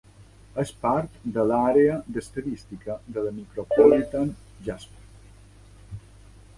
És part de l'àrea d'Estadística de la Micropolitan Jasper.